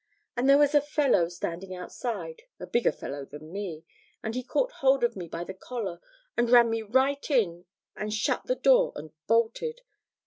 And there was a fellow standing outside, a bigger fellow than me, and he caught hold of me by the collar and ran me right in and shut the door and bolted.